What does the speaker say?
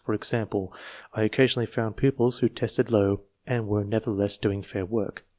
For example, I occasionally found pupils who tested low and were never theless doing fair work.